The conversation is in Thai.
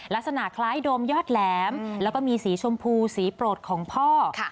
ลักษณะคล้ายโดมยอดแหลมแล้วก็มีสีชมพูสีโปรดของพ่อ